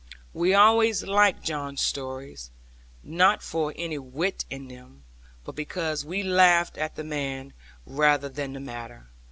We always liked John's stories, not for any wit in them; but because we laughed at the man, rather than the matter.